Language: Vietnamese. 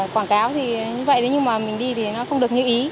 quảng cáo thì như vậy thế nhưng mà mình đi thì nó không được như ý